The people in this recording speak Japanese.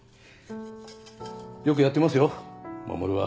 よくやってますよ護は。